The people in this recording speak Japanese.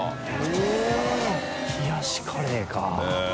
悗А繊冷やしカレーか。